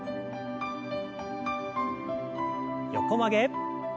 横曲げ。